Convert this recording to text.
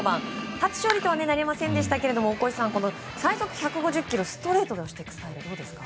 初勝利とはなりませんでしたが大越さん、最速１５０キロストレート、どうですか？